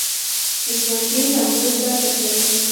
ژوندي له مړو زده کړه کوي